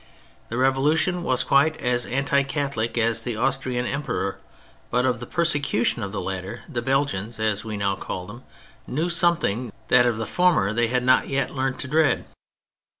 The Revolution was quite as anti Catholic as the Austrian Emperor, but of the persecution of the latter the Belgians (as we now call them) knew something; that of the former they had not yet learnt to dread.